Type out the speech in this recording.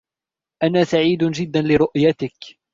أنا سعيد جداً لرؤيتك.